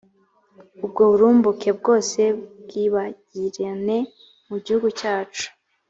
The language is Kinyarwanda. ubwo burumbuke bwose bwibagirane mu gihugu cyacu